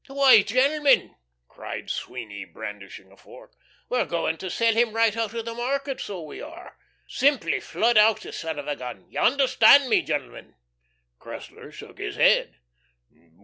"Why, gen'lemen," cried Sweeny, brandishing a fork, "we're going to sell him right out o' the market, so we are. Simply flood out the son of a gun you understand me, gen'lemen?" Cressler shook his head.